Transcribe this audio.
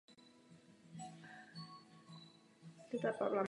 Znepokojuje mě, že rozdílné vědecké názory nedostávají vůbec žádný prostor.